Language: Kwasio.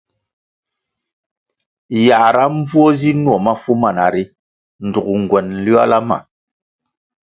Yãhra mbvuo zi nuo mafu mana ri ndtug nguen nliola ma.